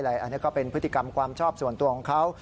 อันนี้ก็เป็นพฤติกรรมความชอบส่วนตัวของเขา